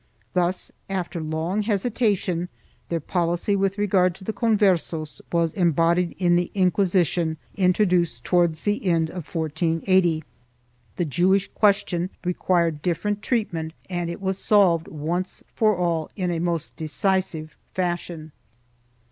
Thus, after long hesitation, their policy with regard to the Converses was embodied in the Inquisition, introduced towards the end of 1480. The Jewish question required different treatment and it was solved, once for all, in most decisive fashion.